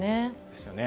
ですよね。